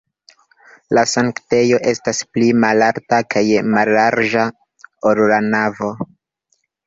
La sanktejo estas pli malalta kaj mallarĝa, ol la navo.